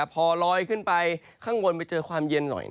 พอลอยขึ้นไปข้างบนไปเจอความเย็นหน่อย